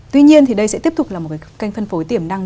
tuy nhiên thì đây sẽ tiếp tục là một cái kênh phân phối tiềm năng